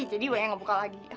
jadi banyak yang buka lagi